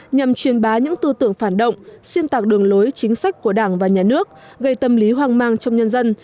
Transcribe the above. nhằm truyền bá những tư tưởng phản động xuyên tạc đường lối chính sách của đảng và nhà nước gây tâm lý hoang mang trong nhân dân